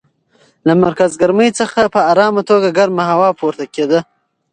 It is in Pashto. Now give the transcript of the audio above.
له مرکز ګرمۍ څخه په ارامه توګه ګرمه هوا پورته کېده.